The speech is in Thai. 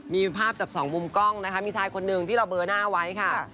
มีภาพจากสองมุมกล้องนะคะมีชายคนหนึ่งที่เราเบอร์หน้าไว้ค่ะ